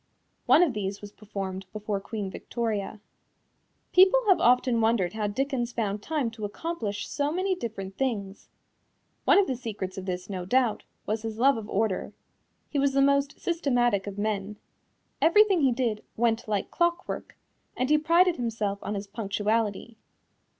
One of these was performed before Queen Victoria. People have often wondered how Dickens found time to accomplish so many different things. One of the secrets of this, no doubt, was his love of order. He was the most systematic of men. Everything he did "went like clockwork," and he prided himself on his punctuality.